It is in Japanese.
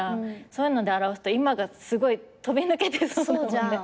そういうので表すと今がすごい飛び抜けてそうだよね。